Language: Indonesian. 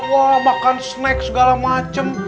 wah makan snack segala macam